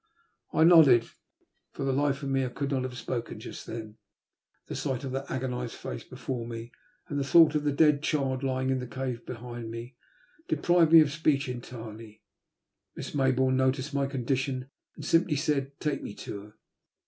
I nodded. For the hfe of me, I could not have spoken just then. The sight of that agonised face before me and the thought of the dead child lying in the cave behind me deprived me of speech entirely. Miss Maybourne noticed my condition, and simply said, '^ Take me to her."